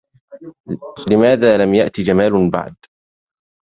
لماذا لم يأتِ جمال بعد؟